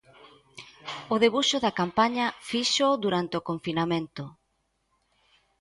O debuxo da campaña fíxoo durante o confinamento.